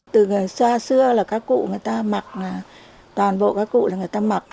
từ xa xưa là các cụ người ta mặc toàn bộ các cụ người ta mặc